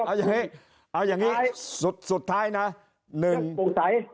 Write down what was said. เอาอย่างงี้เอาอย่างงี้สุดสุดท้ายนะหนึ่งตรงใส